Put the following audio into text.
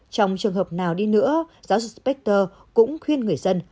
trong trường hợp nào đi nữa giáo sư spector cũng khuyên người dân